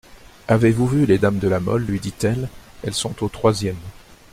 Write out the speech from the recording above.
Avez-vous vu les dames de La Mole, lui dit-elle, elles sont aux troisièmes.